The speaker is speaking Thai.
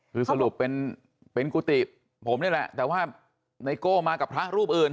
คือสรุปเป็นกุฏิผมนี่แหละแต่ว่าไนโก้มากับพระรูปอื่น